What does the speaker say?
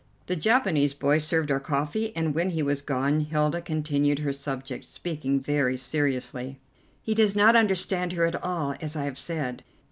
The Japanese boy served our coffee, and when he was gone Hilda continued her subject, speaking very seriously. "He does not understand her at all, as I have said.